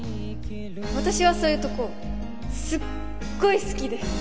私はそういうとこすっごい好きです